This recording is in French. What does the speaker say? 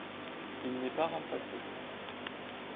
Il n’est pas remplacé.